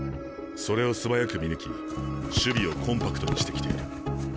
それを素早く見抜き守備をコンパクトにしてきている。